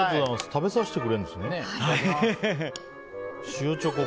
食べさせてくれるんですね。